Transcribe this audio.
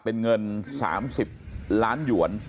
เป็นเงินสามสิบล้านหยวน